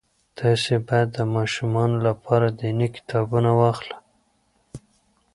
تاسې باید د ماشومانو لپاره دیني کتابونه واخلئ.